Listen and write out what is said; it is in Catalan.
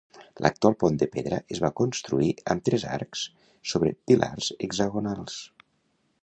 L'actual pont de pedra es va construir amb tres arcs sobre pilars hexagonals.